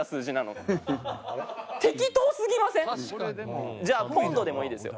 うん？じゃあポンドでもいいですよ。